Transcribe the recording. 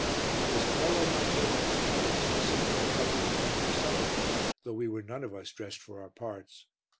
It was Carlo Magno in his palace receiving a couple of friendly sovereigns, though we were none of us dressed for our parts.